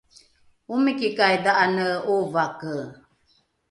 omikikai dha’ane ’ovake?